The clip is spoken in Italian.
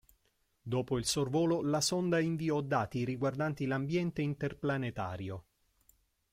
Dopo il sorvolo la sonda inviò dati riguardanti l'ambiente interplanetario.